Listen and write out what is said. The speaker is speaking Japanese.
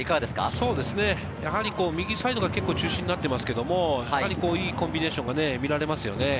そうですね、右サイドが中心になっていますけど、かなりいいコンビネーションが見られますね。